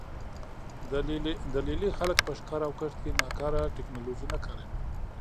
د لې لې خلک په ښکار او کښت کې ناکاره ټکنالوژي نه کاروي